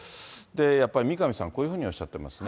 やっぱり三上さん、こういうふうにおっしゃってますね。